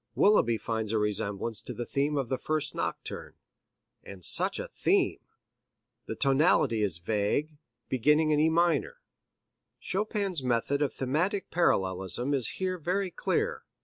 Willeby finds a resemblance to the theme of the first nocturne. And such a theme! The tonality is vague, beginning in E minor. Chopin's method of thematic parallelism is here very clear.